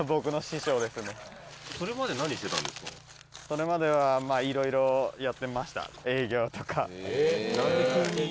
それまではまあいろいろやってました。